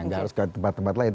nggak harus ke tempat tempat lain